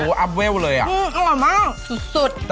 กะเพราทอดไว้